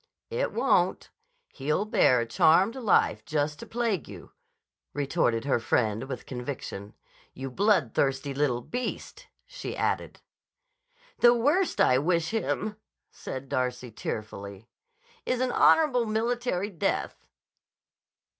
"It won't. He'll bear a charmed life, just to plague you," retorted her friend with conviction. "You bloodthirsty little beast!" she added. "The worst I wish him," said Darcy tearfully, "is an honorable military death."